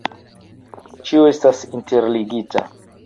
Ĉio estas interligita.